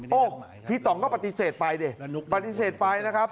พี่ต่องก็ปฏิเสธไปดิปฏิเสธไปนะครับ